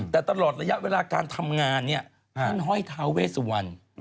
แต่ตลอดระยะเวลาการทำงานเนี่ยท่านห้อยท้าเวสวัน